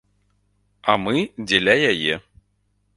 А мы дзеля яе.